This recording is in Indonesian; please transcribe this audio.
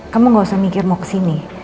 kamu gak usah mikir mau kesini